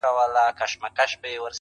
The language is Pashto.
څه به وسي دا یوه که پکښي زما سي,